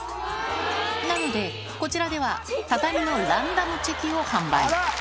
なので、こちらでは、タタミのランダムチェキを販売。